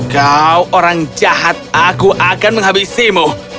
kau orang jahat aku akan menghabisimu